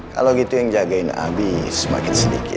kalau gitu yang jagain abi semakin sedikit